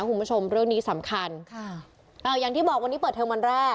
คุณผู้ชมเรื่องนี้สำคัญค่ะอ่าอย่างที่บอกวันนี้เปิดเทอมวันแรก